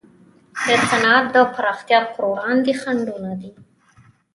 د صنعت د پراختیا پر وړاندې خنډونه دي.